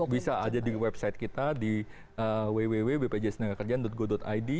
bisa aja di website kita di www bpjsnagakerjaan go id